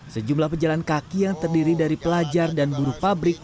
sejumlah pejalan kaki yang terdiri dari pelajar dan buruh pabrik